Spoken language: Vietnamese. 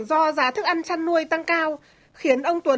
do giá thức ăn chăn nuôi tăng cao như hiện nay